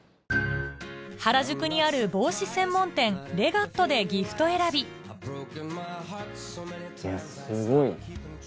原宿にある帽子専門店「ＲＥＧＡＴＴＯ」でギフト選びいやすごい。